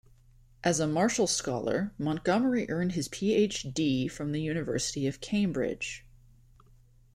As a Marshall scholar, Montgomery earned his Ph.D. from the University of Cambridge.